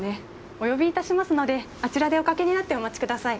お呼びいたしますのであちらでおかけになってお待ちください。